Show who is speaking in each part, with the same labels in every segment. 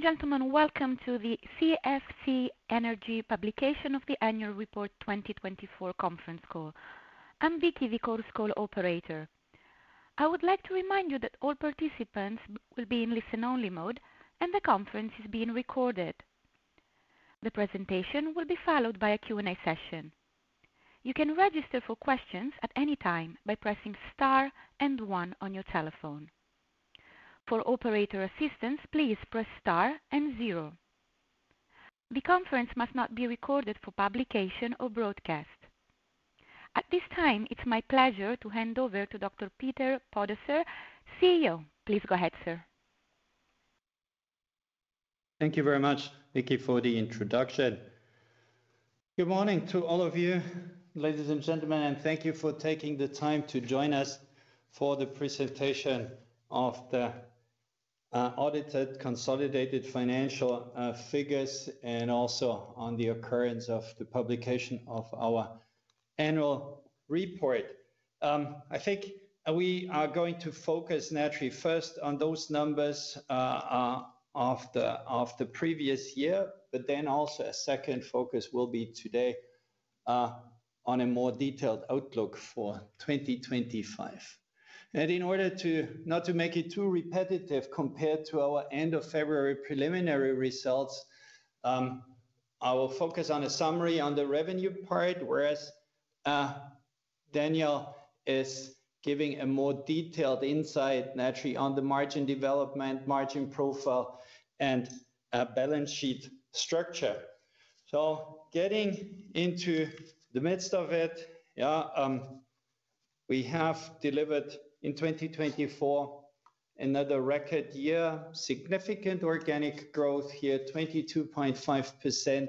Speaker 1: Ladies and gentlemen, welcome to the SFC Energy publication of the Annual Report 2024 Conference Call. I'm Vicky, the Chorus Call operator. I would like to remind you that all participants will be in listen-only mode and the conference is being recorded. The presentation will be followed by a Q&A session. You can register for questions at any time by pressing star and one on your telephone. For operator assistance, please press star and zero. The conference must not be recorded for publication or broadcast. At this time, it's my pleasure to hand over to Dr. Peter Podesser, CEO. Please go ahead, sir.
Speaker 2: Thank you very much, Vicky, for the introduction. Good morning to all of you, ladies and gentlemen, and thank you for taking the time to join us for the presentation of the audited consolidated financial figures and also on the occurrence of the publication of our annual report. I think we are going to focus naturally first on those numbers of the previous year, but then also a second focus will be today on a more detailed outlook for 2025. In order not to make it too repetitive compared to our end of February preliminary results, I will focus on a summary on the revenue part, whereas Daniel is giving a more detailed insight naturally on the margin development, margin profile, and balance sheet structure. Getting into the midst of it, we have delivered in 2024 another record year, significant organic growth here, 22.5%.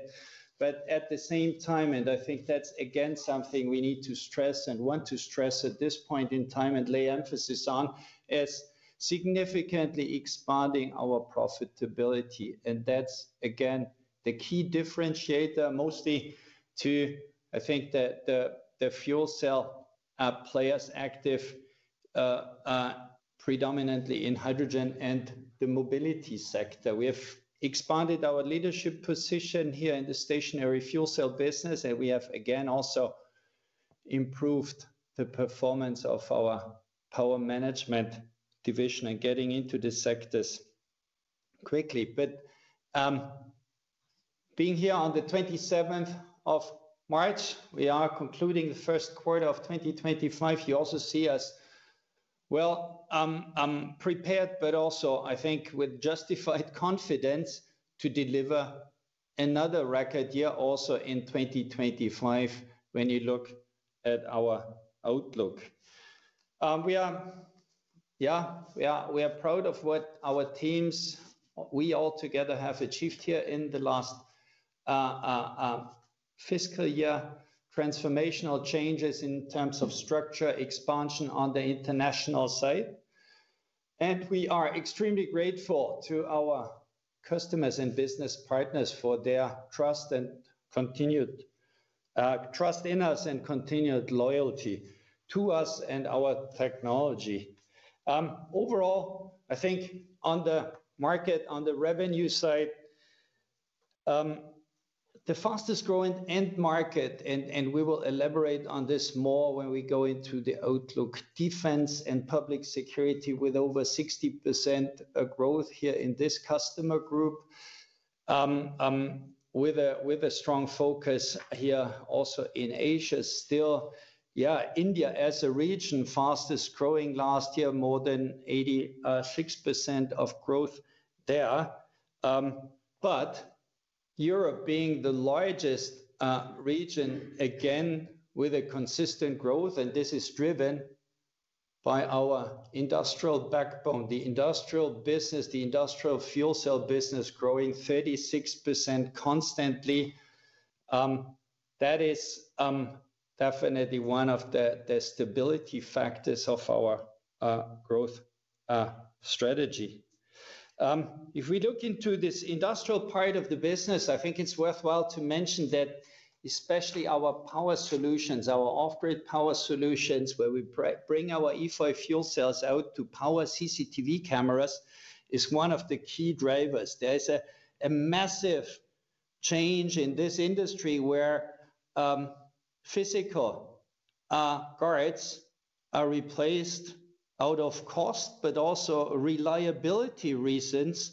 Speaker 2: At the same time, and I think that's again something we need to stress and want to stress at this point in time and lay emphasis on, is significantly expanding our profitability. That's again the key differentiator mostly to, I think, the fuel cell players active predominantly in hydrogen and the mobility sector. We have expanded our leadership position here in the stationary fuel cell business, and we have again also improved the performance of our power management division and getting into the sectors quickly. Being here on the 27th of March, we are concluding the Q1 of 2025. You also see us, well, prepared, but also, I think, with justified confidence to deliver another record year also in 2025 when you look at our outlook. We are proud of what our teams, we all together have achieved here in the last fiscal year, transformational changes in terms of structure, expansion on the international side. We are extremely grateful to our customers and business partners for their trust and continued trust in us and continued loyalty to us and our technology. Overall, I think on the market, on the revenue side, the fastest growing end market, and we will elaborate on this more when we go into the outlook, defense and public security with over 60% growth here in this customer group with a strong focus here also in Asia. Still, yeah, India as a region, fastest growing last year, more than 86% of growth there. Europe is the largest region, again, with a consistent growth, and this is driven by our industrial backbone, the industrial business, the industrial fuel cell business growing 36% constantly. That is dEFOYnitely one of the stability factors of our growth strategy. If we look into this industrial part of the business, I think it is worthwhile to mention that especially our power solutions, our off-grid power solutions where we bring our EFOY fuel cells out to power CCTV cameras, is one of the key drivers. There is a massive change in this industry where physical guards are replaced out of cost, but also reliability reasons,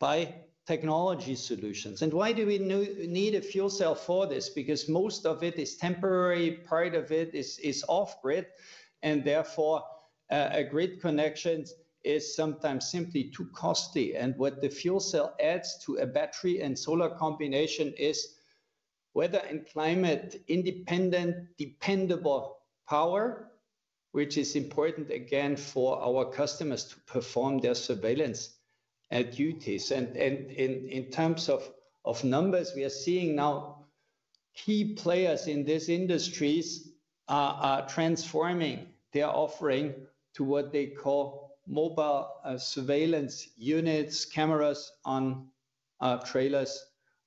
Speaker 2: by technology solutions. Why do we need a fuel cell for this? Because most of it is temporary, part of it is off-grid, and therefore a grid connection is sometimes simply too costly. What the fuel cell adds to a battery and solar combination is weather and climate independent, dependable power, which is important again for our customers to perform their surveillance duties. In terms of numbers, we are seeing now key players in these industries transforming their offering to what they call mobile surveillance units, cameras on trailers,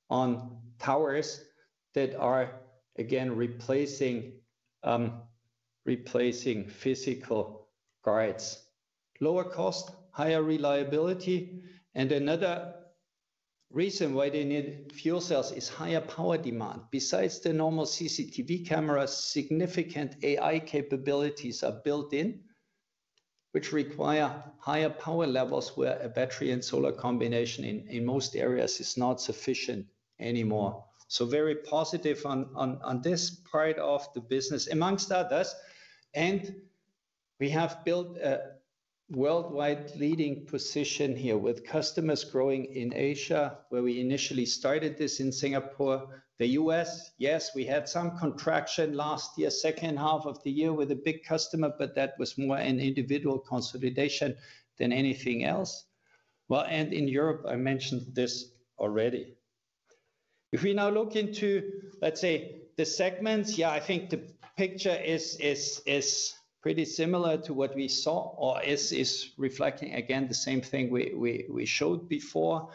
Speaker 2: on towers that are again replacing physical guards. Lower cost, higher reliability. Another reason why they need fuel cells is higher power demand. Besides the normal CCTV cameras, significant AI capabilities are built in, which require higher power levels where a battery and solar combination in most areas is not sufficient anymore. Very positive on this part of the business, amongst others. We have built a worldwide leading position here with customers growing in Asia, where we initially started this in Singapore. The US, yes, we had some contraction last year, second half of the year with a big customer, but that was more an individual consolidation than anything else. In Europe, I mentioned this already. If we now look into, let's say, the segments, yeah, I think the picture is pretty similar to what we saw or is reflecting again the same thing we showed before.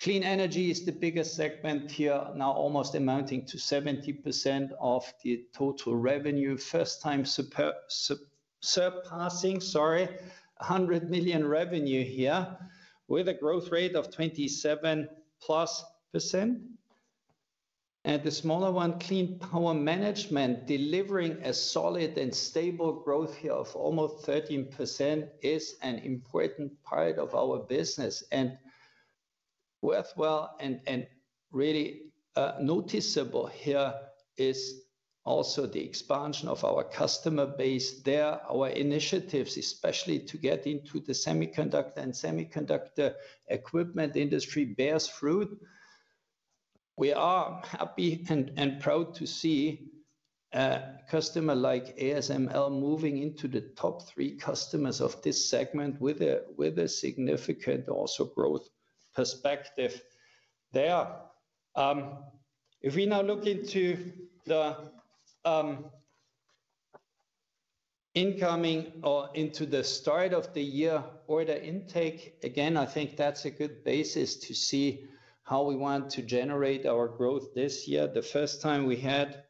Speaker 2: Clean Energy is the biggest segment here, now almost amounting to 70% of the total revenue, first time surpassing, sorry, 100 million revenue here with a growth rate of +27%. The smaller one, Clean Power Management, delivering a solid and stable growth here of almost 13% is an important part of our business. Worthwhile and really noticeable here is also the expansion of our customer base there. Our initiatives, especially to get into the semiconductor and semiconductor equipment industry, bear fruit. We are happy and proud to see a customer like ASML moving into the top three customers of this segment with a significant also growth perspective there. If we now look into the incoming or into the start of the year order intake, again, I think that's a good basis to see how we want to generate our growth this year. The first time we had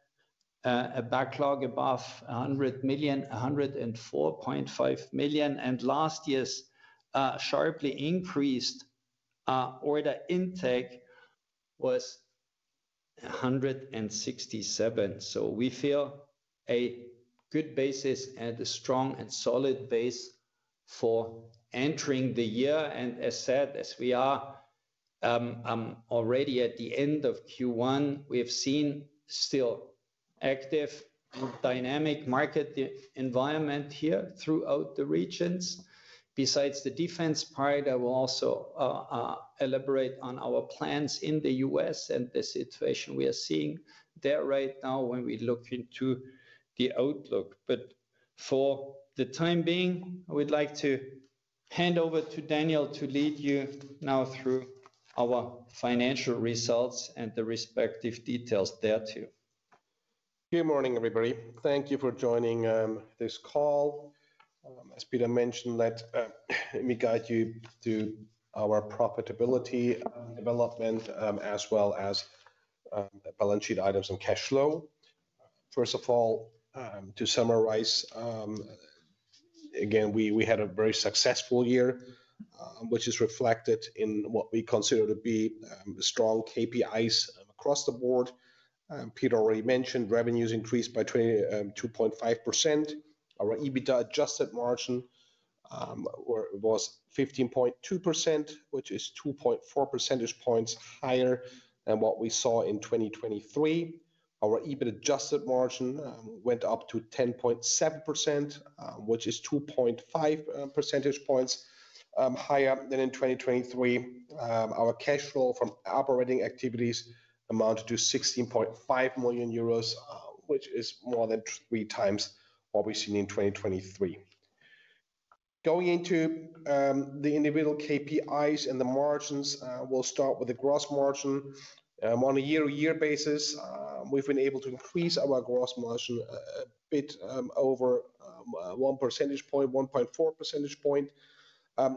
Speaker 2: a backlog above 100 million, 104.5 million, and last year's sharply increased order intake was 167 million. We feel a good basis and a strong and solid base for entering the year. As said, as we are already at the end of Q1, we have seen still active and dynamic market environment here throughout the regions. Besides the defense part, I will also elaborate on our plans in the US and the situation we are seeing there right now when we look into the outlook. For the time being, I would like to hand over to Daniel to lead you now through our financial results and the respective details there too.
Speaker 3: Good morning, everybody. Thank you for joining this call. As Peter mentioned, let me guide you to our profitability development as well as balance sheet items and cash flow. First of all, to summarize, again, we had a very successful year, which is reflected in what we consider to be strong KPIs across the board. Peter already mentioned revenues increased by 22.5%. Our EBITDA adjusted margin was 15.2%, which is 2.4 percentage points higher than what we saw in 2023. Our EBIT adjusted margin went up to 10.7%, which is 2.5 percentage points higher than in 2023. Our cash flow from operating activities amounted to 16.5 million euros, which is more than three times what we've seen in 2023. Going into the individual KPIs and the margins, we'll start with the gross margin. On a year-to-year basis, we've been able to increase our gross margin a bit over one percentage point, 1.4 percentage point,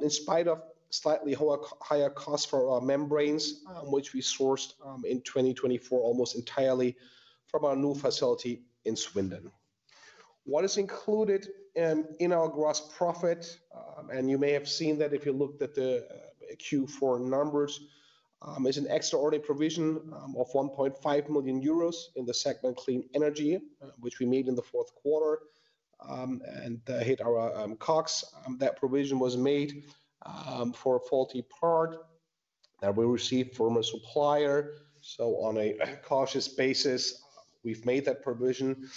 Speaker 3: in spite of slightly higher costs for our membranes, which we sourced in 2024 almost entirely from our new facility in Swindon. What is included in our gross profit, and you may have seen that if you looked at the Q4 numbers, is an extraordinary provision of 1.5 million euros in the segment Clean Energy, which we made in the fourth quarter and hit our COGS. That provision was made for a faulty part that we received from a supplier. On a cautious basis, we've made that provision.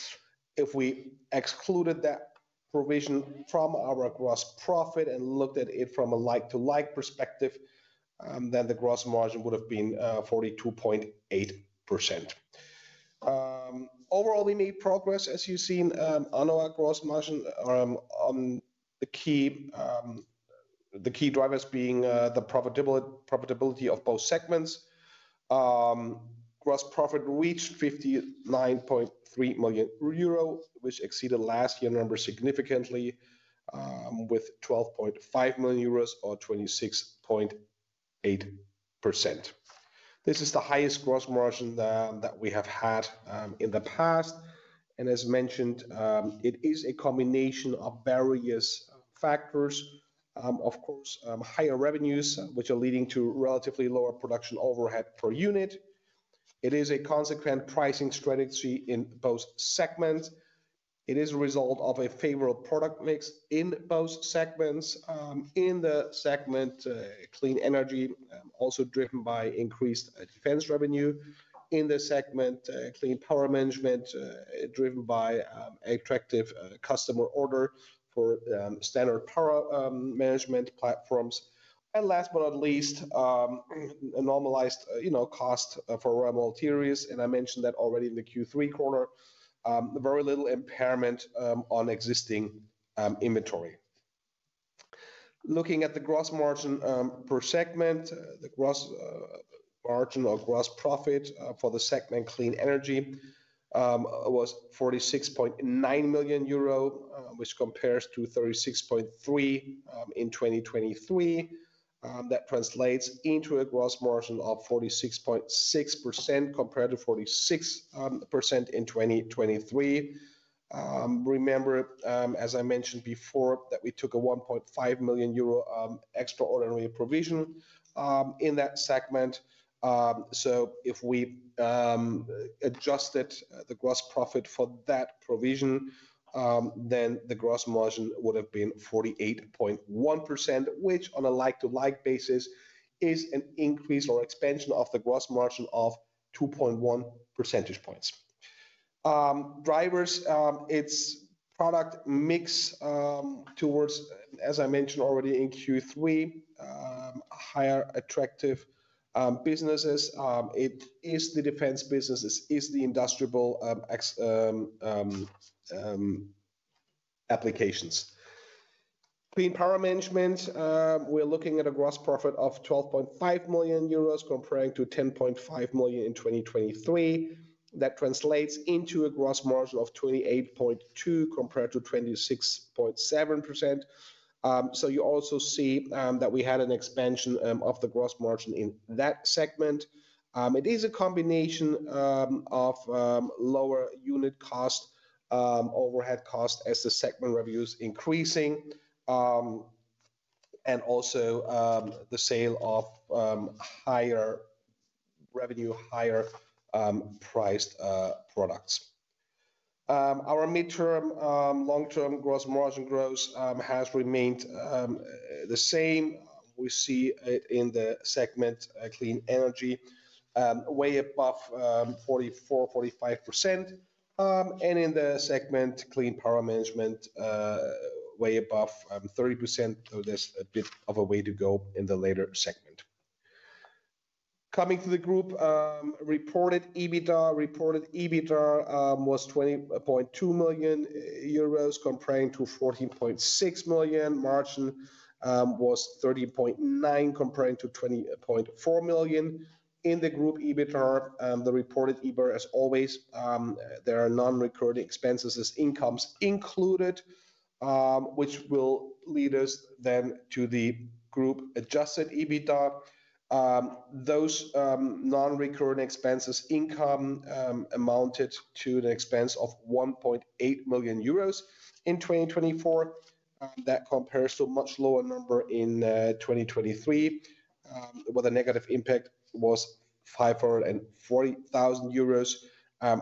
Speaker 3: If we excluded that provision from our gross profit and looked at it from a like-to-like perspective, then the gross margin would have been 42.8%. Overall, we made progress, as you've seen, on our gross margin, the key drivers being the profitability of both segments. Gross profit reached 59.3 million euro, which exceeded last year's number significantly with 12.5 million euros or 26.8%. This is the highest gross margin that we have had in the past. As mentioned, it is a combination of various factors. Of course, higher revenues, which are leading to relatively lower production overhead per unit. It is a consequent pricing strategy in both segments. It is a result of a favorable product mix in both segments. In the segment Clean Energy, also driven by increased defense revenue. In the segment Clean Power Management, driven by attractive customer order for standard power management platforms. Last but not least, normalized cost for remote materials. I mentioned that already in the Q3 quarter, very little impairment on existing inventory. Looking at the gross margin per segment, the gross margin or gross profit for the segment Clean Energy was 46.9 million euro, which compares to 36.3 million in 2023. That translates into a gross margin of 46.6% compared to 46% in 2023. Remember, as I mentioned before, that we took a 1.5 million euro extraordinary provision in that segment. If we adjusted the gross profit for that provision, then the gross margin would have been 48.1%, which on a like-to-like basis is an increase or expansion of the gross margin of 2.1 percentage points. Drivers, its product mix towards, as I mentioned already in Q3, higher attractive businesses. It is the defense businesses, is the industrial applications. Clean Power Management, we're looking at a gross profit of 12.5 million euros comparing to 10.5 million in 2023. That translates into a gross margin of 28.2% compared to 26.7%. You also see that we had an expansion of the gross margin in that segment. It is a combination of lower unit cost, overhead cost as the segment revenues increasing, and also the sale of higher revenue, higher priced products. Our midterm, long-term gross margin growth has remained the same. We see it in the segment Clean Energy way above 44% to 45%. In the segment Clean Power Management, way above 30%. There is a bit of a way to go in the later segment. Coming to the group reported EBITDA, reported EBITDA was 20.2 million euros comparing to 14.6 million. Margin was 30.9% comparing to 20.4%. In the group EBITDA, the reported EBITDA, as always, there are non-recurring expenses as incomes included, which will lead us then to the group adjusted EBITDA. Those non-recurring expenses income amounted to the expense of 1.8 million euros in 2024. That compares to a much lower number in 2023, where the negative impact was 540,000 euros.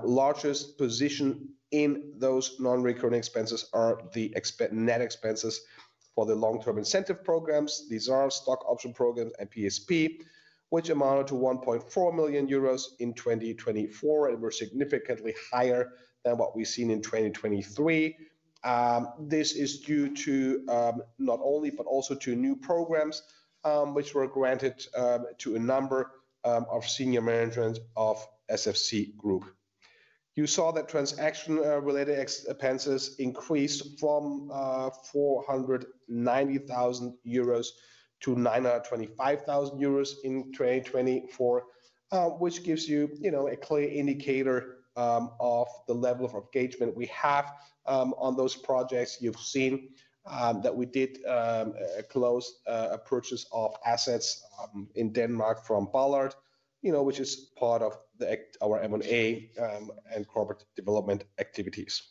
Speaker 3: Largest position in those non-recurring expenses are the net expenses for the long-term incentive programs, these are stock option programs and PSP, which amounted to 1.4 million euros in 2024 and were significantly higher than what we've seen in 2023. This is due to not only, but also to new programs which were granted to a number of senior managers of SFC Group. You saw that transaction-related expenses increased from 490,000 euros to 925,000 euros in 2024, which gives you a clear indicator of the level of engagement we have on those projects. You've seen that we did close purchase of assets in Denmark from Ballard, which is part of our M&A and corporate development activities.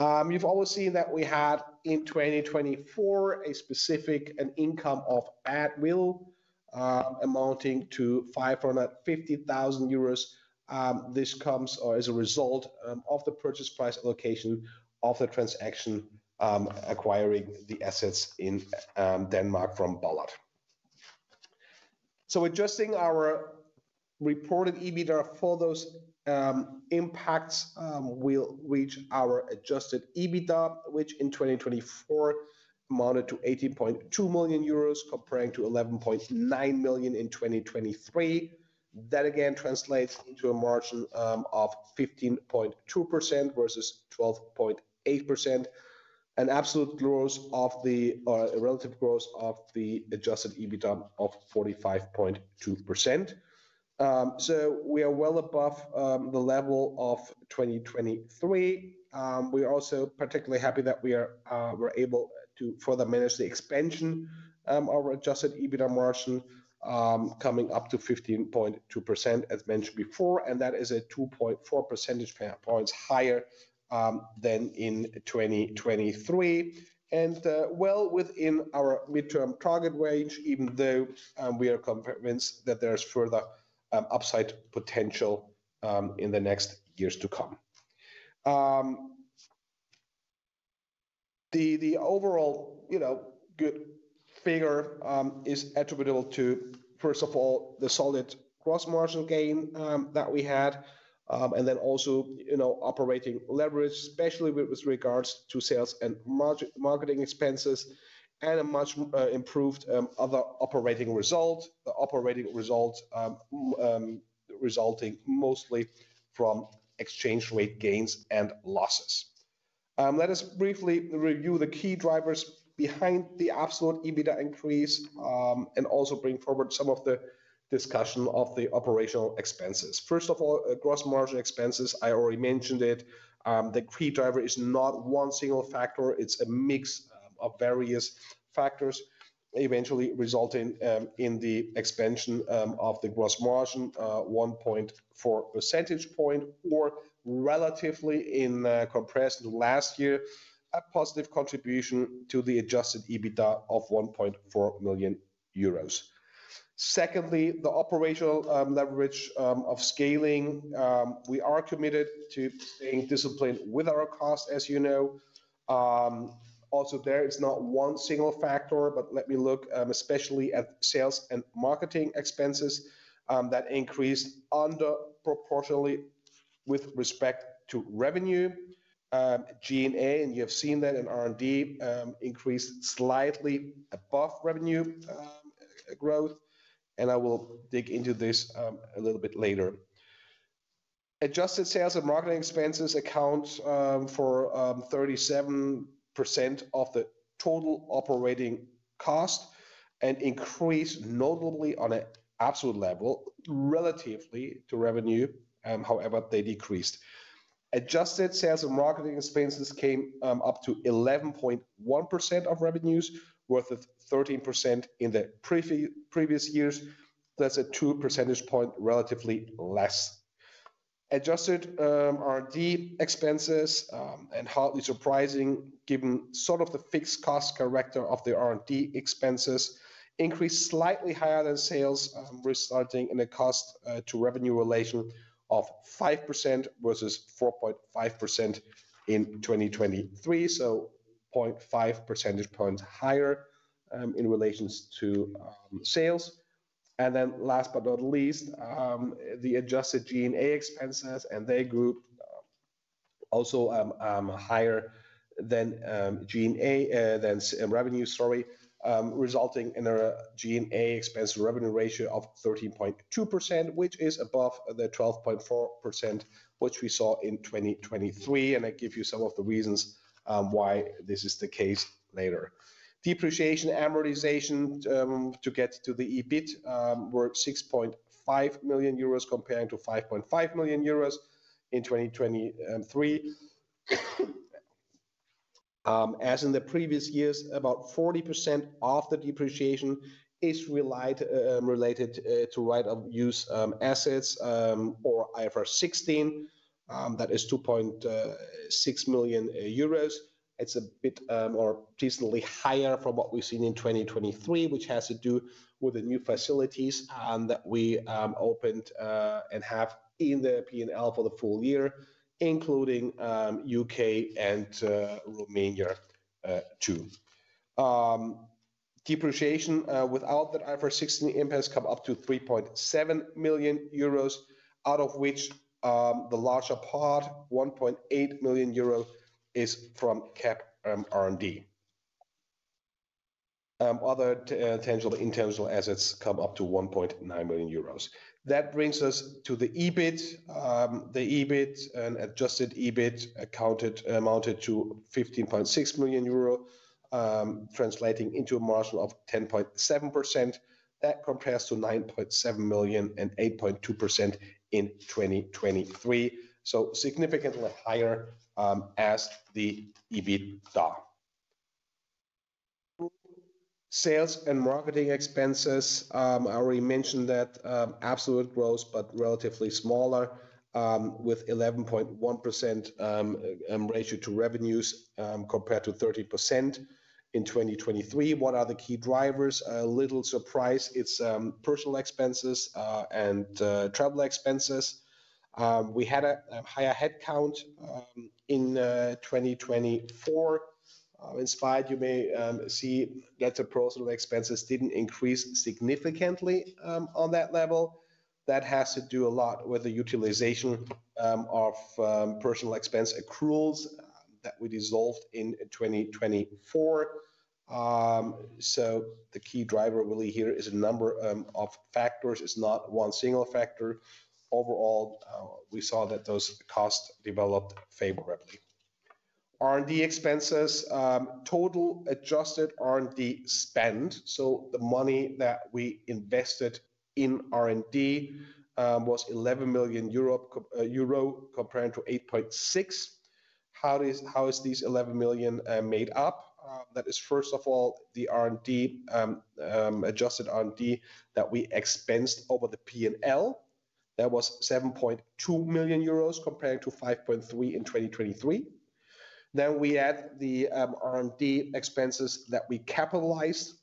Speaker 3: You've always seen that we had in 2024 a specific income of Badwill amounting to 550,000 euros. This comes as a result of the purchase price allocation of the transaction acquiring the assets in Denmark from Ballard. Adjusting our reported EBITDA for those impacts will reach our adjusted EBITDA, which in 2024 amounted to 18.2 million euros comparing to 11.9 million in 2023. That again translates into a margin of 15.2% versus 12.8%, an absolute growth of the relative growth of the adjusted EBITDA of 45.2%. We are well above the level of 2023. We are also particularly happy that we were able to further manage the expansion of our adjusted EBITDA margin coming up to 15.2%, as mentioned before, and that is 2.4 percentage points higher than in 2023. That is well within our midterm target range, even though we are convinced that there is further upside potential in the next years to come. The overall good figure is attributable to, first of all, the solid gross margin gain that we had, and then also operating leverage, especially with regards to sales and marketing expenses, and a much improved other operating result, the operating result resulting mostly from exchange rate gains and losses. Let us briefly review the key drivers behind the absolute EBITDA increase and also bring forward some of the discussion of the operational expenses. First of all, gross margin expenses, I already mentioned it. The key driver is not one single factor. It's a mix of various factors eventually resulting in the expansion of the gross margin, 1.4 percentage point, or relatively in comparison to last year, a positive contribution to the adjusted EBITDA of 1.4 million euros. Secondly, the operational leverage of scaling. We are committed to staying disciplined with our costs, as you know. Also there, it's not one single factor, but let me look especially at sales and marketing expenses that increased under proportionately with respect to revenue. G&A, and you have seen that in R&D, increased slightly above revenue growth. I will dig into this a little bit later. Adjusted sales and marketing expenses account for 37% of the total operating cost and increased notably on an absolute level relatively to revenue. However, they decreased. Adjusted sales and marketing expenses came up to 11.1% of revenues, worth 13% in the previous years. That's a two percentage point relatively less. Adjusted R&D expenses, and hardly surprising given sort of the fixed cost character of the R&D expenses, increased slightly higher than sales, resulting in a cost-to-revenue relation of 5% versus 4.5% in 2023, so 0.5 percentage points higher in relation to sales. Last but not least, the adjusted G&A expenses and their group also higher than G&A, than revenue, sorry, resulting in a G&A expense revenue ratio of 13.2%, which is above the 12.4% which we saw in 2023. I give you some of the reasons why this is the case later. Depreciation amortization to get to the EBIT were 6.5 million euros comparing to 5.5 million euros in 2023. As in the previous years, about 40% of the depreciation is related to right-of-use assets or IFRS 16. That is 2.6 million euros. It is a bit more recently higher from what we have seen in 2023, which has to do with the new facilities that we opened and have in the P&L for the full year, including UK and Romania too. Depreciation without the IFRS 16 impacts come up to 3.7 million euros, out of which the larger part, 1.8 million euro, is from CapEx R&D. Other tangible intangible assets come up to 1.9 million euros. That brings us to the EBIT. The EBIT and adjusted EBIT accounted amounted to 15.6 million euro, translating into a margin of 10.7%. That compares to 9.7 million and 8.2% in 2023. Significantly higher as the EBITDA. Sales and marketing expenses, I already mentioned that absolute growth, but relatively smaller with 11.1% ratio to revenues compared to 30% in 2023. What are the key drivers? A little surprise. It's personnel expenses and travel expenses. We had a higher headcount in 2024. Inspired, you may see that the personnel expenses did not increase significantly on that level. That has to do a lot with the utilization of personnel expense accruals that we dissolved in 2024. The key driver really here is a number of factors. It's not one single factor. Overall, we saw that those costs developed favorably. R&D expenses, total adjusted R&D spend. The money that we invested in R&D was 11 million euro compared to 8.6 million. How is these 11 million made up? That is, first of all, the R&D, adjusted R&D that we expensed over the P&L. That was 7.2 million euros compared to 5.3 million in 2023. We add the R&D expenses that we capitalized,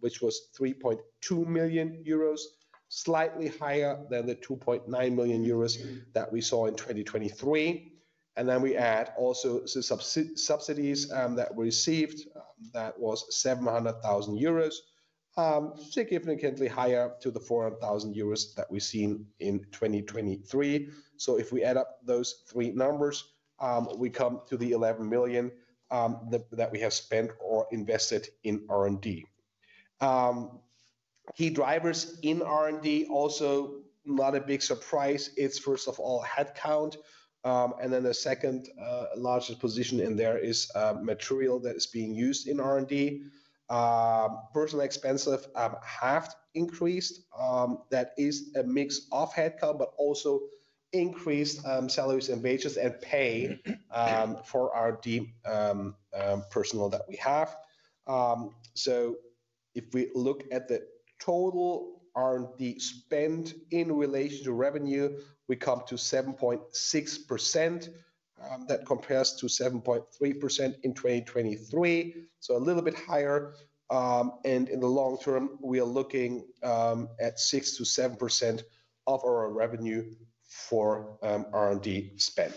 Speaker 3: which was 3.2 million euros, slightly higher than the 2.9 million euros that we saw in 2023. We add also the subsidies that we received that was 700,000 euros, significantly higher to the 400,000 euros that we've seen in 2023. If we add up those three numbers, we come to the 11 million that we have spent or invested in R&D. Key drivers in R&D, also not a big surprise. It's first of all, headcount. The second largest position in there is material that is being used in R&D. Personal expenses have halved, increased. That is a mix of headcount, but also increased salaries and wages and pay for our personal that we have. If we look at the total R&D spend in relation to revenue, we come to 7.6%. That compares to 7.3% in 2023. A little bit higher. In the long term, we are looking at 6% to 7% of our revenue for R&D spend.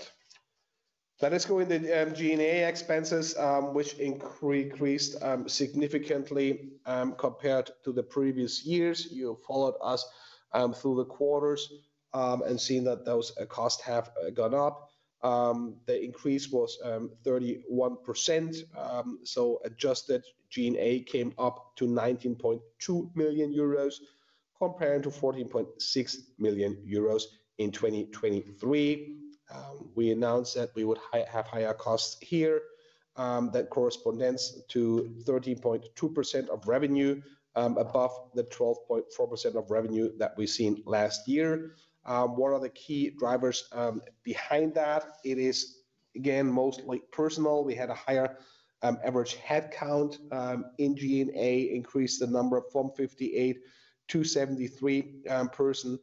Speaker 3: Let us go into G&A expenses, which increased significantly compared to the previous years. You followed us through the quarters and seen that those costs have gone up. The increase was 31%. Adjusted G&A came up to 19.2 million euros compared to 14.6 million euros in 2023. We announced that we would have higher costs here. That corresponds to 13.2% of revenue above the 12.4% of revenue that we've seen last year. What are the key drivers behind that? It is, again, mostly personal. We had a higher average headcount in G&A, increased the number from 58 to 73 persons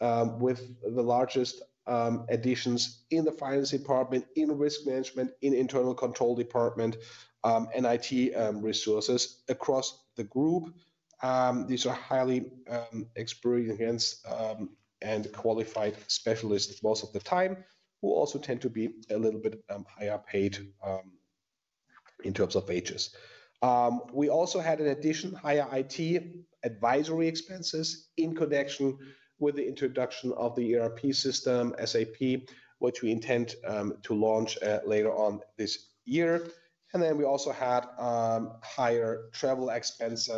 Speaker 3: with the largest additions in the finance department, in risk management, in internal control department, and IT resources across the group. These are highly experienced and qualified specialists most of the time, who also tend to be a little bit higher paid in terms of wages. We also had an addition, higher IT advisory expenses in connection with the introduction of the ERP system, SAP, which we intend to launch later on this year. We also had higher travel expenses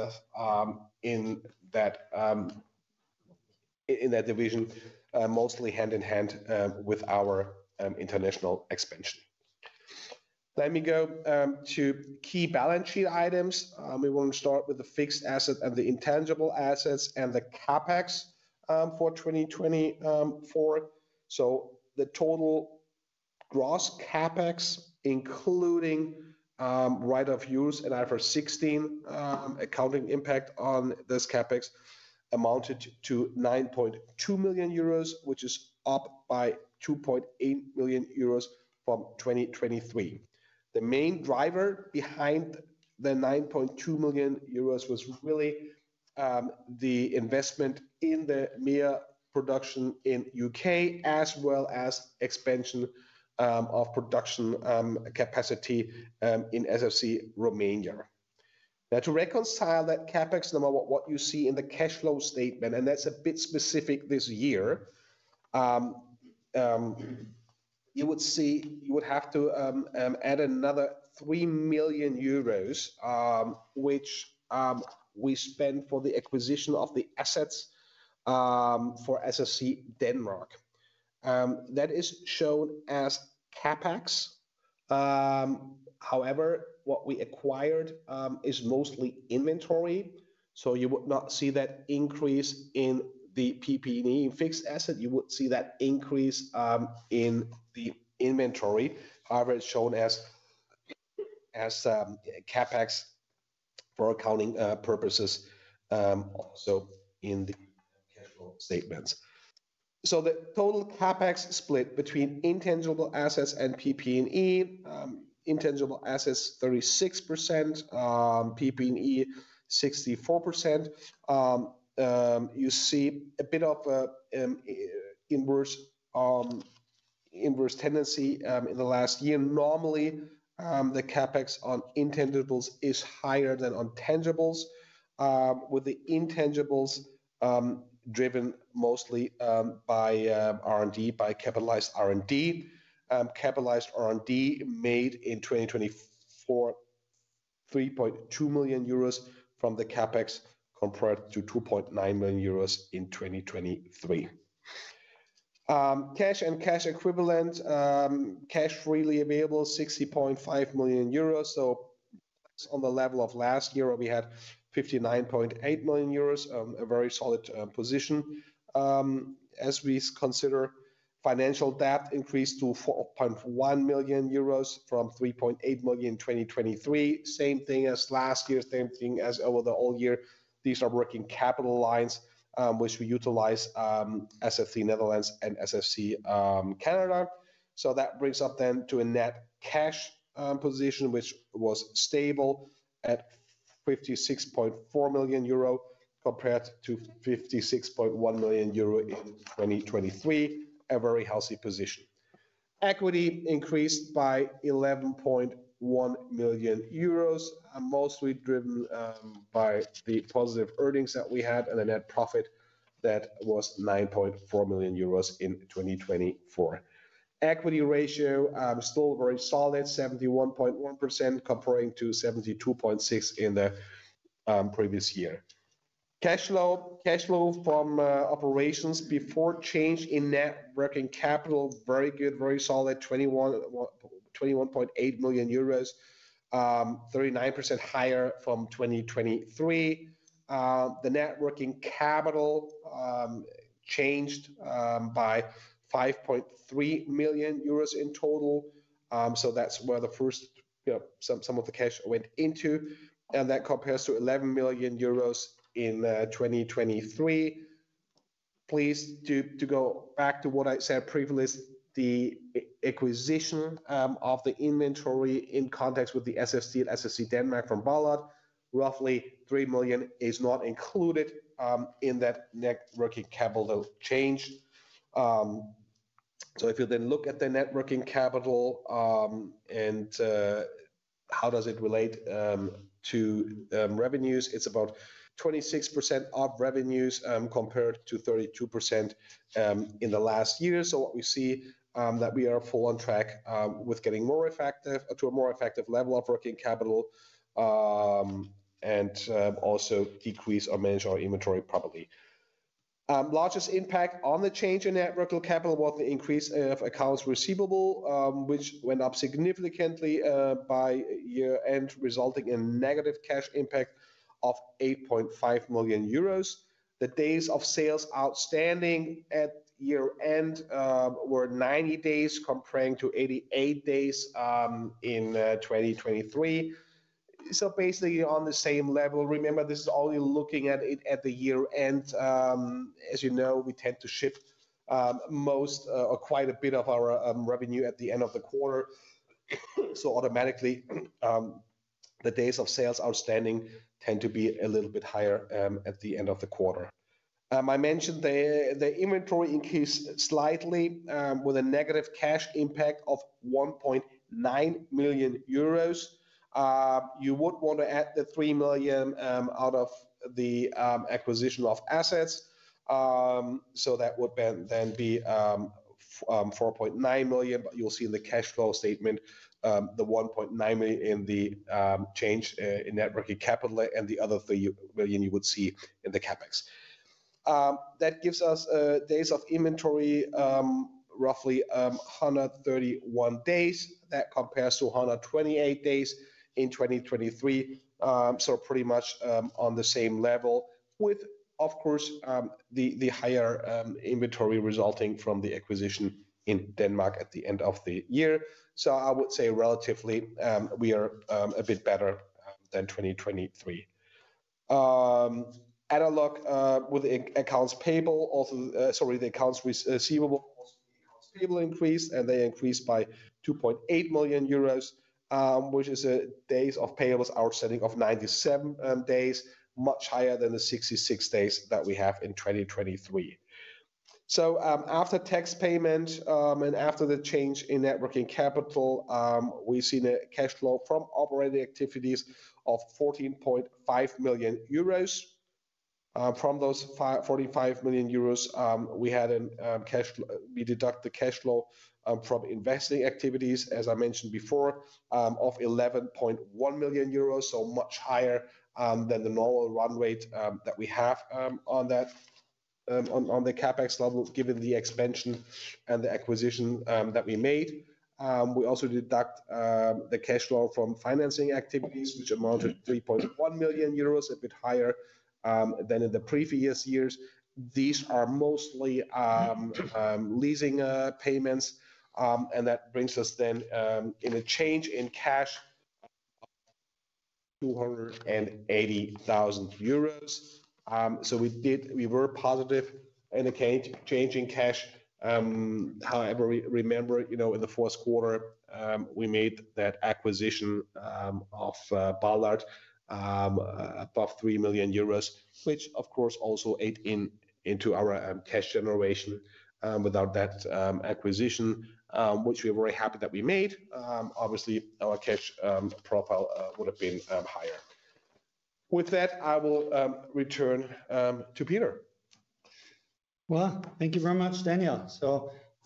Speaker 3: in that division, mostly hand in hand with our international expansion. Let me go to key balance sheet items. We want to start with the fixed assets and the intangible assets and the CapEx for 2024. The total gross CapEx, including right-of-use and IFRS 16 accounting impact on this CapEx, amounted to 9.2 million euros, which is up by 2.8 million euros from 2023. The main driver behind the 9.2 million euros was really the investment in the MEA production in the UK, as well as expansion of production capacity in SFC Romania. Now, to reconcile that CapEx, what you see in the cash flow statement, and that is a bit specific this year, you would have to add another 3 million euros, which we spent for the acquisition of the assets for SFC Denmark. That is shown as CapEx. However, what we acquired is mostly inventory. You would not see that increase in the PP&E fixed asset. You would see that increase in the inventory. However, it's shown as CapEx for accounting purposes also in the cash flow statements. The total CapEx split between intangible assets and PP&E, intangible assets 36%, PP&E 64%. You see a bit of an inverse tendency in the last year. Normally, the CapEx on intangibles is higher than on tangibles, with the intangibles driven mostly by R&D, by capitalized R&D. Capitalized R&D made in 2024, 3.2 million euros from the CapEx compared to 2.9 million euros in 2023. Cash and cash equivalent, cash freely available, 60.5 million euros. On the level of last year, we had 59.8 million euros, a very solid position. As we consider financial debt, increased to 4.1 million euros from 3.8 million in 2023. Same thing as last year, same thing as over the whole year. These are working capital lines, which we utilize SFC Netherlands and SFC Canada. That brings us then to a net cash position, which was stable at 56.4 million euro compared to 56.1 million euro in 2023, a very healthy position. Equity increased by 11.1 million euros, mostly driven by the positive earnings that we had and a net profit that was 9.4 million euros in 2024. Equity ratio still very solid, 71.1% comparing to 72.6% in the previous year. Cash flow from operations before change in net working capital, very good, very solid, 21.8 million euros, 39% higher from 2023. The net working capital changed by 5.3 million euros in total. So that's where the first, some of the cash went into. That compares to 11 million euros in 2023. Please go back to what I said previously, the acquisition of the inventory in context with the SFC and SFC Denmark from Ballard, roughly 3 million is not included in that networking capital change. If you then look at the networking capital and how does it relate to revenues, it's about 26% of revenues compared to 32% in the last year. What we see is that we are full on track with getting more effective to a more effective level of working capital and also decrease or manage our inventory properly. Largest impact on the change in networking capital was the increase of accounts receivable, which went up significantly by year-end, resulting in a negative cash impact of 8.5 million euros. The days of sales outstanding at year-end were 90 days comparing to 88 days in 2023. Basically on the same level. Remember, this is only looking at it at the year-end. As you know, we tend to shift most or quite a bit of our revenue at the end of the quarter. Automatically, the days of sales outstanding tend to be a little bit higher at the end of the quarter. I mentioned the inventory increased slightly with a negative cash impact of 1.9 million euros. You would want to add the 3 million out of the acquisition of assets. That would then be 4.9 million, but you'll see in the cash flow statement the 1.9 million in the change in networking capital and the other 3 million you would see in the CapEx. That gives us days of inventory, roughly 131 days. That compares to 128 days in 2023. Pretty much on the same level with, of course, the higher inventory resulting from the acquisition in Denmark at the end of the year. I would say relatively we are a bit better than 2023. Analog with accounts payable, sorry, the accounts receivable, also the accounts payable increased and they increased by 2.8 million euros, which is days of payables outstanding of 97 days, much higher than the 66 days that we have in 2023. After tax payment and after the change in net working capital, we've seen a cash flow from operating activities of 14.5 million euros. From those 45 million euros, we had a cash flow, we deduct the cash flow from investing activities, as I mentioned before, of 11.1 million euros, so much higher than the normal run rate that we have on that, on the CapEx level, given the expansion and the acquisition that we made. We also deduct the cash flow from financing activities, which amounted to 3.1 million euros, a bit higher than in the previous years. These are mostly leasing payments. That brings us then in a change in cash of 280,000 euros. We were positive in a change in cash. However, remember, in the fourth quarter, we made that acquisition of Ballard above 3 million euros, which, of course, also ate into our cash generation. Without that acquisition, which we were very happy that we made, obviously, our cash profile would have been higher. With that, I will return to Peter.
Speaker 2: Thank you very much, Daniel.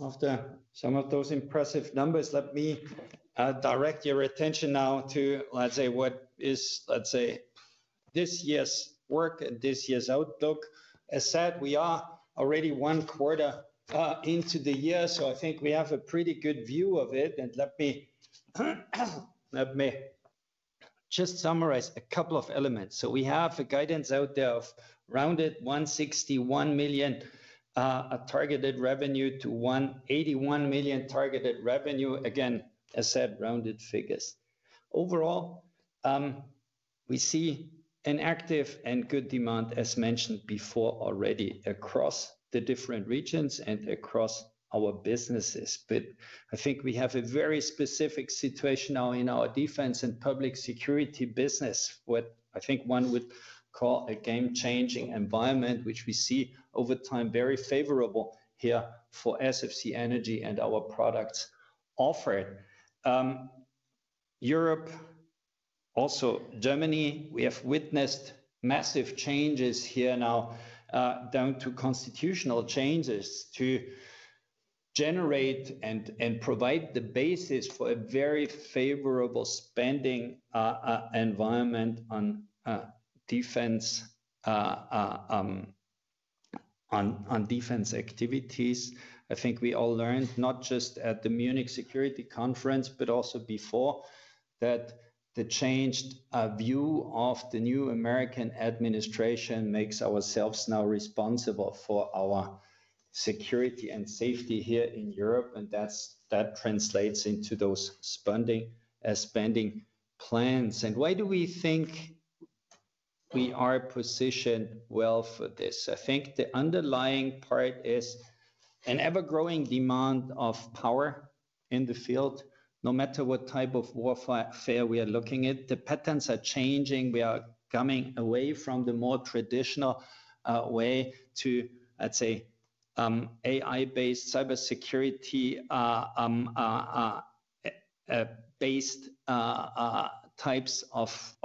Speaker 2: After some of those impressive numbers, let me direct your attention now to, let's say, what is, let's say, this year's work and this year's outlook. As said, we are already one quarter into the year, so I think we have a pretty good view of it. Let me just summarize a couple of elements. We have a guidance out there of rounded 161 million, a targeted revenue to 181 million targeted revenue. Again, as said, rounded figures. Overall, we see an active and good demand, as mentioned before already, across the different regions and across our businesses. I think we have a very specific situation now in our defense and public security business, what I think one would call a game-changing environment, which we see over time very favorable here for SFC Energy and our products offered. Europe, also Germany, we have witnessed massive changes here now down to constitutional changes to generate and provide the basis for a very favorable spending environment on defense activities. I think we all learned, not just at the Munich Security Conference, but also before, that the changed view of the new American administration makes ourselves now responsible for our security and safety here in Europe. That translates into those spending plans. Why do we think we are positioned well for this? I think the underlying part is an ever-growing demand of power in the field. No matter what type of warfare we are looking at, the patterns are changing. We are coming away from the more traditional way to, let's say, AI-based, cybersecurity-based types of,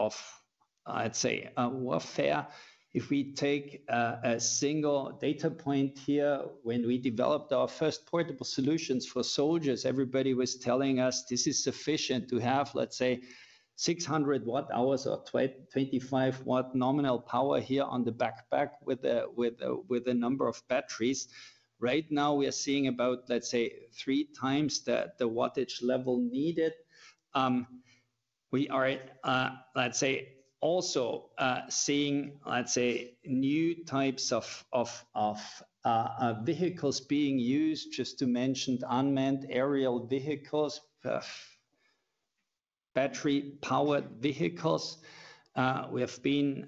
Speaker 2: let's say, warfare. If we take a single data point here, when we developed our first portable solutions for soldiers, everybody was telling us this is sufficient to have, let's say, 600 watt-hours or 25 watt nominal power here on the backpack with a number of batteries. Right now, we are seeing about, let's say, three times the wattage level needed. We are, let's say, also seeing, let's say, new types of vehicles being used, just to mention unmanned aerial vehicles, battery-powered vehicles. We have been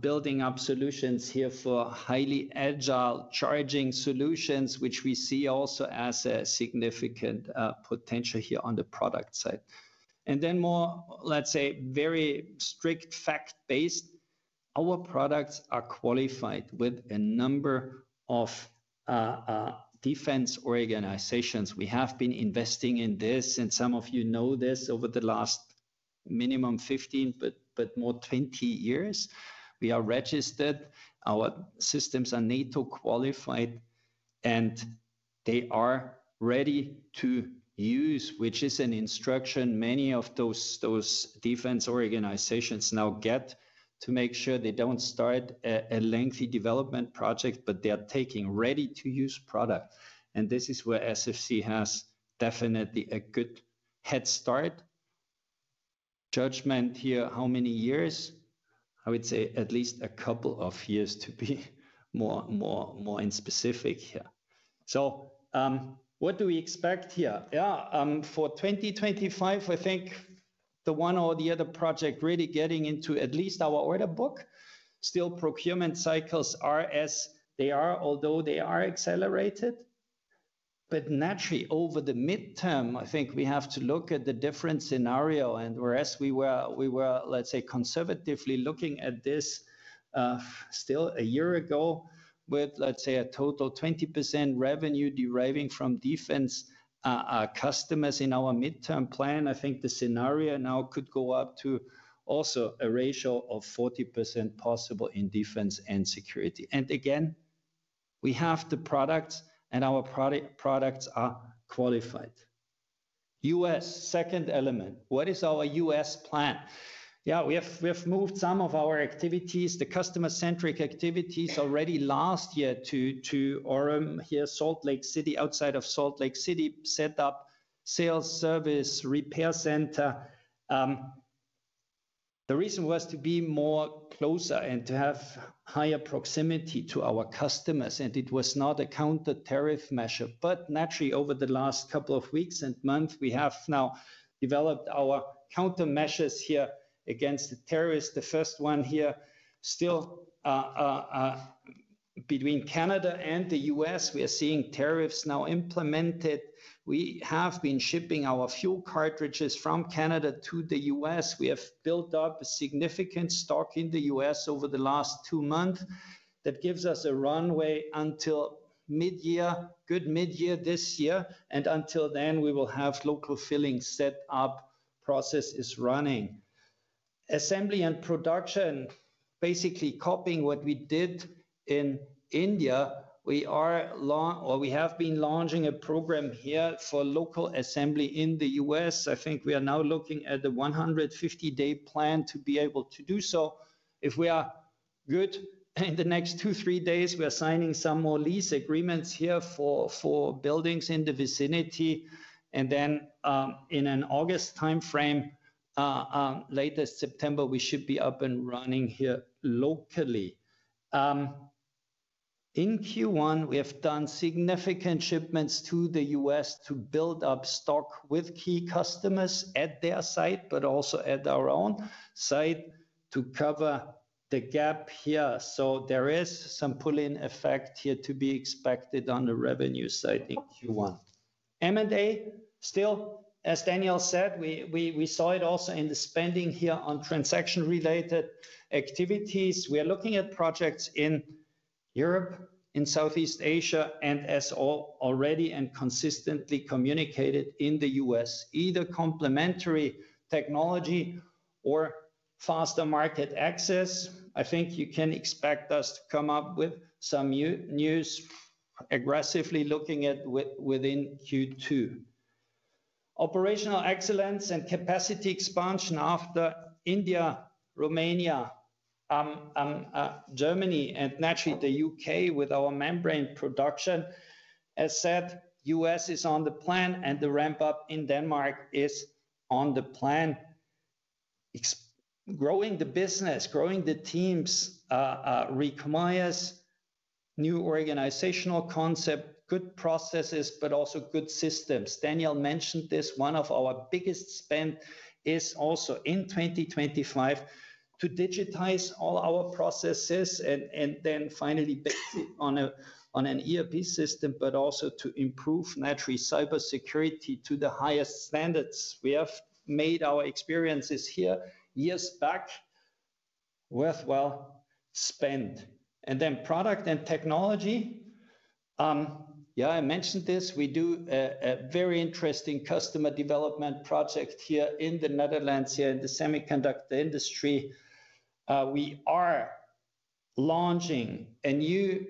Speaker 2: building up solutions here for highly agile charging solutions, which we see also as a significant potential here on the product side. More, let's say, very strict fact-based, our products are qualified with a number of defense organizations. We have been investing in this, and some of you know this over the last minimum 15, but more 20 years. We are registered. Our systems are NATO qualified, and they are ready to use, which is an instruction many of those defense organizations now get to make sure they do not start a lengthy development project, but they are taking ready-to-use products. This is where SFC has definitely a good head start. Judgment here, how many years? I would say at least a couple of years to be more specific here. What do we expect here? For 2025, I think the one or the other project really getting into at least our order book. Still, procurement cycles are as they are, although they are accelerated. Naturally, over the midterm, I think we have to look at the different scenario. Whereas we were, let's say, conservatively looking at this still a year ago with, let's say, a total 20% revenue deriving from defense customers in our midterm plan, I think the scenario now could go up to also a ratio of 40% possible in defense and security. Again, we have the products and our products are qualified. US, second element. What is our US plan? Yeah, we have moved some of our activities, the customer-centric activities already last year to Orem here, Salt Lake City, outside of Salt Lake City, set up sales service repair center. The reason was to be more closer and to have higher proximity to our customers. It was not a counter tariff Q1sure. Naturally, over the last couple of weeks and months, we have now developed our counter measures here against the terrorists. The first one here still between Canada and the US, we are seeing tariffs now implemented. We have been shipping our fuel cartridges from Canada to the US. We have built up a significant stock in the US over the last two months that gives us a runway until mid-year, good mid-year this year. Until then, we will have local filling set up, process is running. Assembly and production, basically copying what we did in India. We are launching or we have been launching a program here for local assembly in the US. I think we are now looking at the 150-day plan to be able to do so. If we are good in the next two, three days, we are signing some more lease agreements here for buildings in the vicinity. In an August timeframe, latest September, we should be up and running here locally. In Q1, we have done significant shipments to the US to build up stock with key customers at their site, but also at our own site to cover the gap here. There is some pull-in effect here to be expected on the revenue side in Q1. M&A still, as Daniel said, we saw it also in the spending here on transaction-related activities. We are looking at projects in Europe, in Southeast Asia, and as already and consistently communicated in the US, either complementary technology or faster market access. I think you can expect us to come up with some news aggressively looking at within Q2. Operational excellence and capacity expansion after India, Romania, Germany, and naturally the UK with our membrane production. As said, US is on the plan and the ramp-up in Denmark is on the plan. Growing the business, growing the teams requires new organizational concept, good processes, but also good systems. Daniel mentioned this. One of our biggest spend is also in 2025 to digitize all our processes and then finally base it on an ERP system, but also to improve naturally cybersecurity to the highest standards. We have made our experiences here years back worthwhile spend. Product and technology. Yeah, I mentioned this. We do a very interesting customer development project here in the Netherlands here in the semiconductor industry. We are launching a new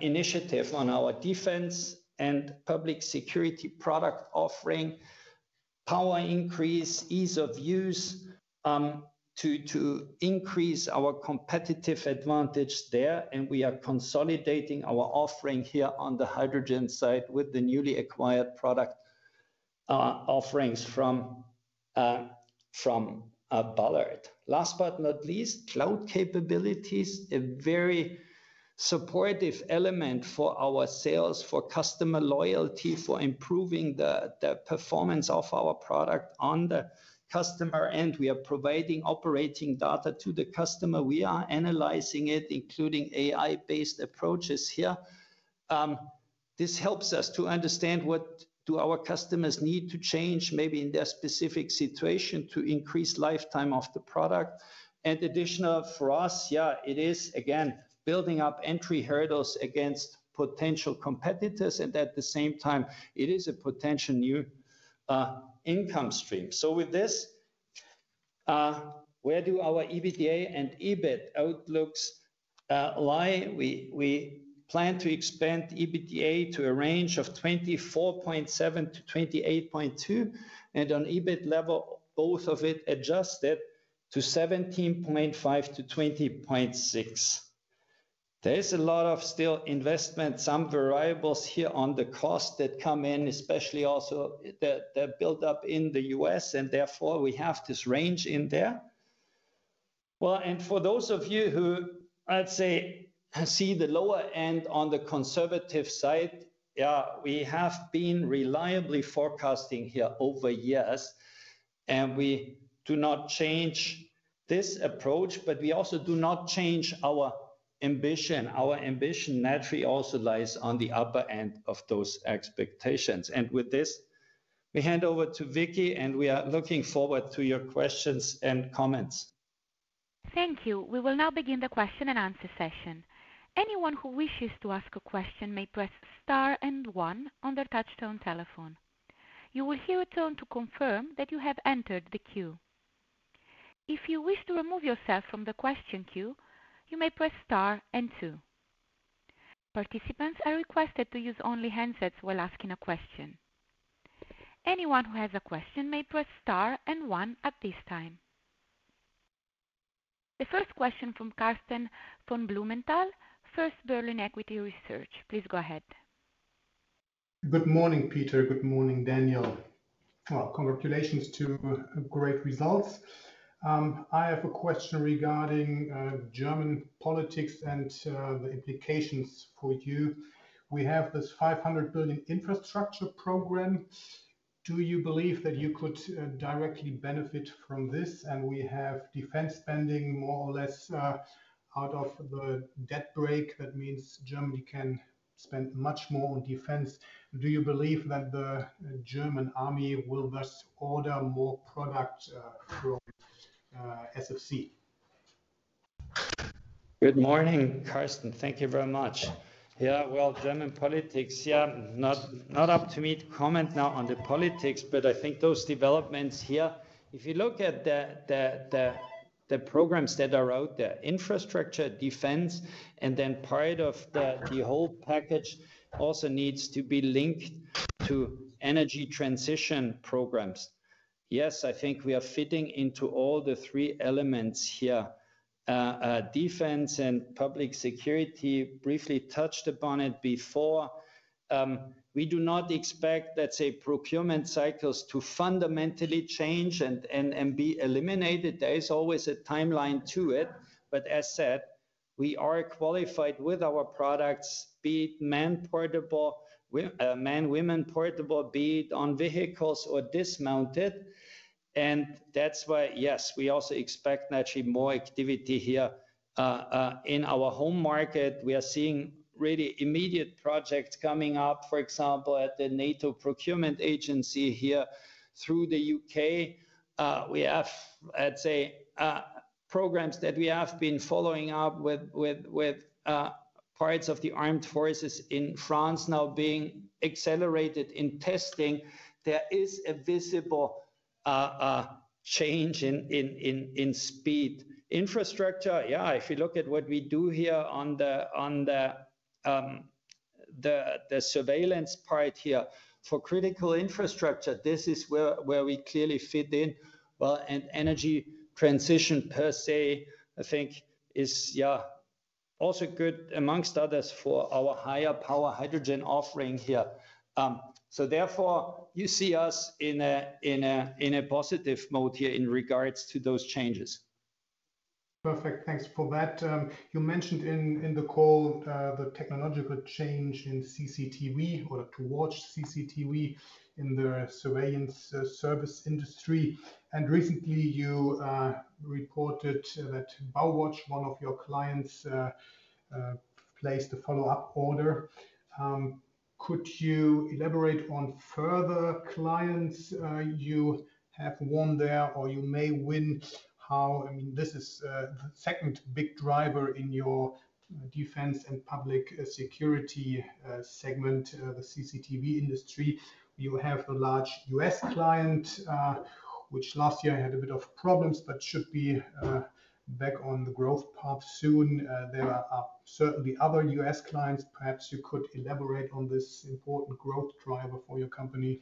Speaker 2: initiative on our defense and public security product offering, power increase, ease of use to increase our competitive advantage there. We are consolidating our offering here on the hydrogen side with the newly acquired product offerings from Ballard. Last but not least, cloud capabilities, a very supportive element for our sales, for customer loyalty, for improving the performance of our product on the customer end. We are providing operating data to the customer. We are analyzing it, including AI-based approaches here. This helps us to understand what do our customers need to change maybe in their specific situation to increase lifetime of the product. Additional for us, yeah, it is again building up entry hurdles against potential competitors. At the same time, it is a potential new income stream. With this, where do our EBITDA and EBIT outlooks lie? We plan to expand EBITDA to a range of 24.7 to 28.2 million. On EBIT level, both of it adjusted to 17.5 to 20.6 million. There is a lot of still investment, some variables here on the cost that come in, especially also the build-up in the US. Therefore, we have this range in there. For those of you who, I would say, see the lower end on the conservative side, yeah, we have been reliably forecasting here over years. We do not change this approach, but we also do not change our ambition. Our ambition naturally also lies on the upper end of those expectations. With this, we hand over to Vicky, and we are looking forward to your questions and comments.
Speaker 1: Thank you. We will now begin the question and answer session. Anyone who wishes to ask a question may press star and one on their touchstone telephone. You will hear a tone to confirm that you have entered the queue. If you wish to remove yourself from the question queue, you may press star and two. Participants are requested to use only handsets while asking a question. Anyone who has a question may press star and one at this time. The first question from Carsten von Blumenthal, First Berlin Equity Research. Please go ahead.
Speaker 4: Good morning, Peter. Good morning, Daniel. Congratulations to great results. I have a question regarding German politics and the implications for you. We have this 500 billion infrastructure program. Do you believe that you could directly benefit from this? We have defense spending more or less out of the debt break. That means Germany can spend much more on defense. Do you believe that the German army will thus order more product from SFC? Good morning, Carsten. Thank you very much.
Speaker 3: Yeah, German politics, yeah, not up to me to comment now on the politics, but I think those developments here, if you look at the programs that are out there, infrastructure, defense, and then part of the whole package also needs to be linked to energy transition programs. Yes, I think we are fitting into all the three elements here. Defense and public security, briefly touched upon it before. We do not expect, let's say, procurement cycles to fundamentally change and be eliminated. There is always a timeline to it. As said, we are qualified with our products, be it man-portable, man-women portable, be it on vehicles or dismounted. That's why, yes, we also expect naturally more activity here in our home market. We are seeing really immediate projects coming up, for example, at the NATO procurement agency here through the UK. We have, I'd say, programs that we have been following up with parts of the armed forces in France now being accelerated in testing. There is a visible change in speed. Infrastructure, yeah, if you look at what we do here on the surveillance part here for critical infrastructure, this is where we clearly fit in. I mean, energy transition per se, I think, is, yeah, also good amongst others for our higher power hydrogen offering here. Therefore, you see us in a positive mode here in regards to those changes.
Speaker 4: Perfect. Thanks for that. You mentioned in the call the technological change in CCTV or to watch CCTV in the surveillance service industry. And recently, you reported that BauWatch, one of your clients, placed a follow-up order. Could you elaborate on further clients you have won there or you may win? How, I mean, this is the second big driver in your defense and public security segment, the CCTV industry. You have a large US client, which last year had a bit of problems, but should be back on the growth path soon. There are certainly other US clients. Perhaps you could elaborate on this important growth driver for your company.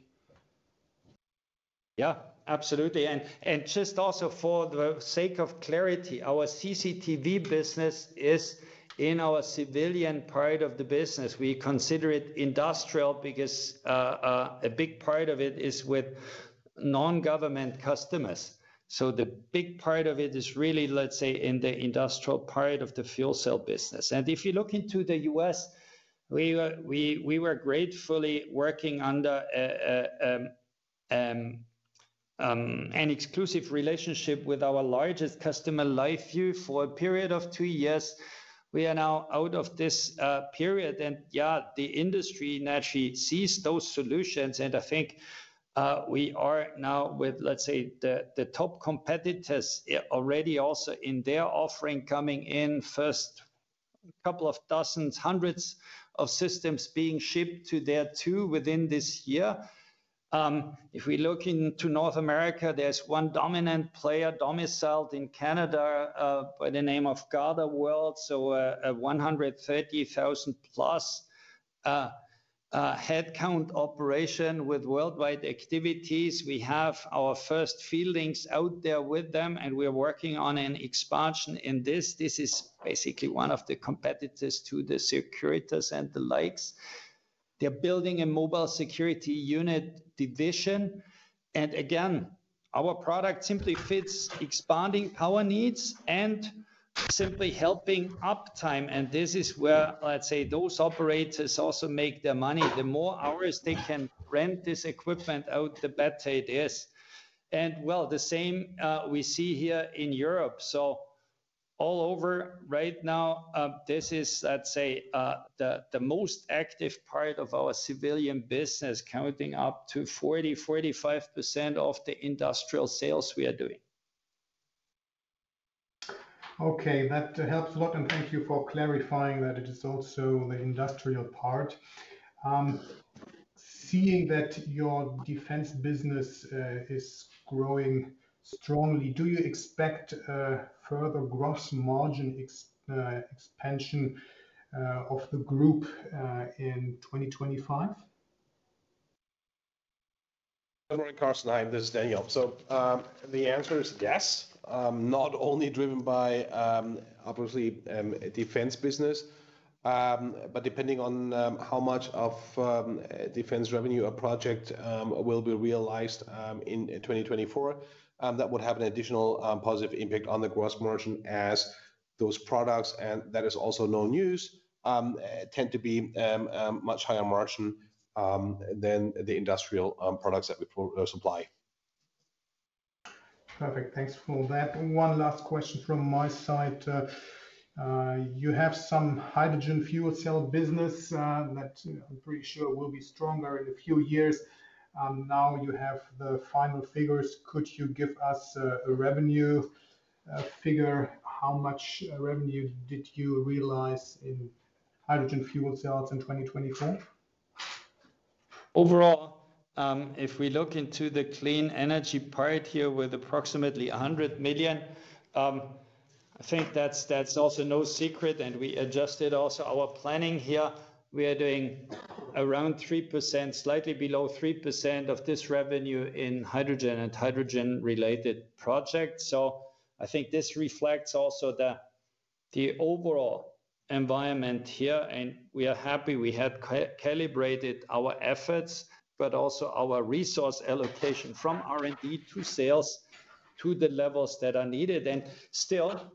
Speaker 3: Yeah, absolutely. And just also for the sake of clarity, our CCTV business is in our civilian part of the business. We consider it industrial because a big part of it is with non-government customers. So the big part of it is really, let's say, in the industrial part of the fuel cell business. And if you look into the US, we were gratefully working under an exclusive relationship with our largest customer, LiveView, for a period of two years. We are now out of this period. Yeah, the industry naturally sees those solutions. I think we are now with, let's say, the top competitors already also in their offering coming in, first couple of dozens, hundreds of systems being shipped to there too within this year. If we look into North America, there is one dominant player domiciled in Canada by the name of GardaWorld, so a 130,000 plus headcount operation with worldwide activities. We have our first fieldings out there with them, and we are working on an expansion in this. This is basically one of the competitors to the Securitas and the likes. They are building a mobile security unit division. Again, our product simply fits expanding power needs and simply helping uptime. This is where, let's say, those operators also make their money. The more hours they can rent this equipment out, the better it is. The same we see here in Europe. All over right now, this is, let's say, the most active part of our civilian business, counting up to 40% to 45% of the industrial sales we are doing.
Speaker 4: Okay, that helps a lot. Thank you for clarifying that it is also the industrial part. Seeing that your defense business is growing strongly, do you expect further gross margin expansion of the group in 2025?
Speaker 2: Good morning, Carsten. Hi, this is Daniel. The answer is yes, not only driven by obviously defense business, but depending on how much of defense revenue a project will be realized in 2024, that would have an additional positive impact on the gross margin as those products, and that is also known news, tend to be much higher margin than the industrial products that we supply.
Speaker 4: Perfect. Thanks for that. One last question from my side. You have some hydrogen fuel cell business that I'm pretty sure will be stronger in a few years. Now you have the final figures. Could you give us a revenue figure? How much revenue did you realize in hydrogen fuel cells in 2024?
Speaker 3: Overall, if we look into the Clean Energy part here with approximately 100 million, I think that's also no secret. We adjusted also our planning here. We are doing around 3%, slightly below 3% of this revenue in hydrogen and hydrogen-related projects. I think this reflects also the overall environment here. We are happy we have calibrated our efforts, but also our resource allocation from R&D to sales to the levels that are needed. Still,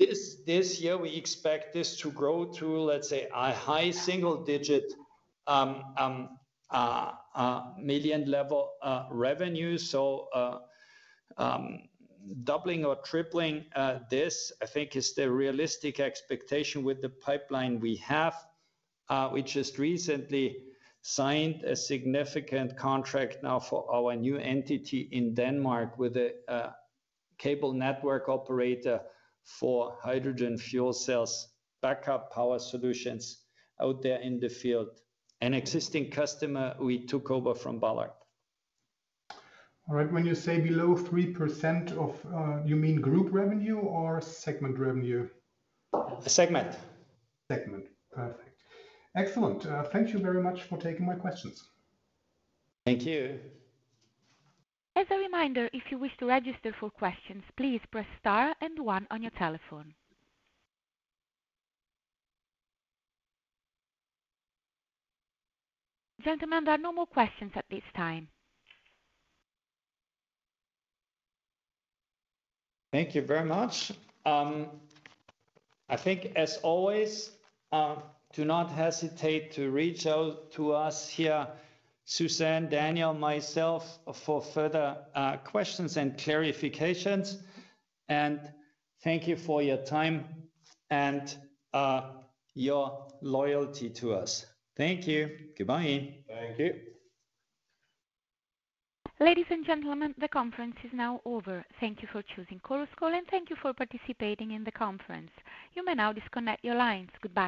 Speaker 3: this year, we expect this to grow to, let's say, a high single-digit million level revenue. Doubling or tripling this, I think, is the realistic expectation with the pipeline we have, which just recently signed a significant contract now for our new entity in Denmark with a cable network operator for hydrogen fuel cells backup power solutions out there in the field. An existing customer we took over from Ballard.
Speaker 4: All right. When you say below 3%, you mean group revenue or segment revenue?
Speaker 3: Segment.
Speaker 4: Segment. Perfect. Excellent. Thank you very much for taking my questions.
Speaker 2: Thank you. As a reminder, if you wish to register for questions, please press star and one on your telephone. Gentlemen, there are no more questions at this time.
Speaker 3: Thank you very much. I think, as always, do not hesitate to reach out to Susan, daniel, myself for further questions and clarifications. Thank you for your time and your loyalty to us. Thank you. Goodbye.
Speaker 2: Thank you.
Speaker 1: Ladies and gentlemen, the conference is now over. Thank you for choosing chorus call and thank you for participating in the conference. You may now disconnect your lines. Goodbye.